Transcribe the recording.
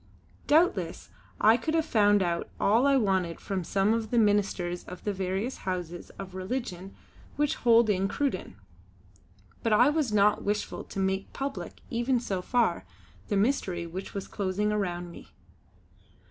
Doubtless I could have found out all I wanted from some of the ministers of the various houses of religion which hold in Cruden; but I was not wishful to make public, even so far, the mystery which was closing around me.